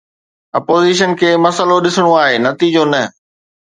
Opposition کي مسئلو ڏسڻو آهي، نتيجو نه.